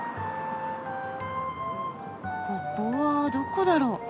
ここはどこだろう？